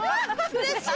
うれしい。